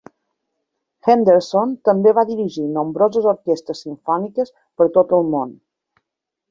Henderson també va dirigir nombroses orquestres simfòniques per tot el món.